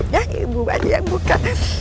ya ibu aja yang buka